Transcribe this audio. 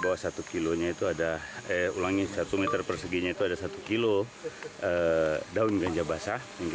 asumsi bahwa satu km perseginya itu ada satu kg daun ganja basah